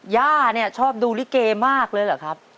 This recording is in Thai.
ย่าเนี่ยชอบดูลิเกมากเลยเหรอครับ